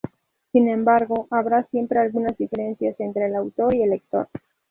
Sin embargo, habrá siempre algunas diferencias entre el autor y el lector.